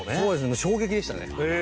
もう衝撃でしたね。